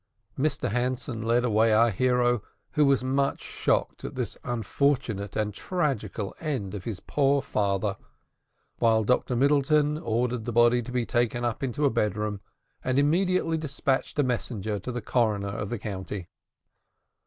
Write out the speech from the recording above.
Mr Hanson led away our hero, who was much shocked at this unfortunate and tragical end of his poor father, while Dr Middleton ordered the body to be taken up into a bedroom, and immediately despatched a messenger to the coroner of the county.